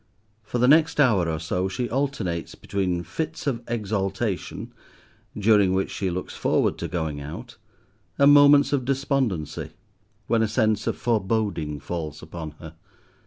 For the next hour or so she alternates between fits of exaltation, during which she looks forward to going out, and moments of despondency, when a sense of foreboding falls upon her.